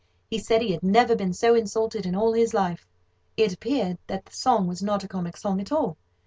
He said he had never been so insulted in all his life. It appeared that the song was not a comic song at all.